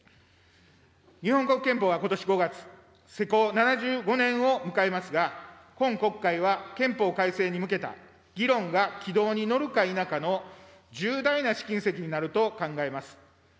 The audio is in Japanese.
日本国憲法はことし５月、施行７５年を迎えますが、本国会は憲法改正に向けた議論が軌道に乗るか否かの重大な試金石になると考えます。